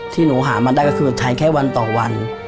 ที่หนูหามาได้ก็คือใช้แค่วันต่อวัน